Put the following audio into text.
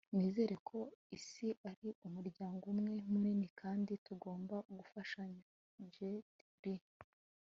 nizera ko isi ari umuryango umwe munini, kandi tugomba gufashanya. - jet li